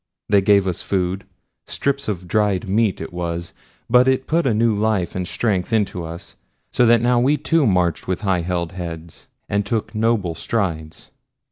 They gave us food. Strips of dried meat it was, but it put new life and strength into us, so that now we too marched with high held heads, and took noble strides.